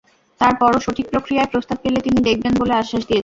তার পরও সঠিক প্রক্রিয়ায় প্রস্তাব পেলে তিনি দেখবেন বলে আশ্বাস দিয়েছিলেন।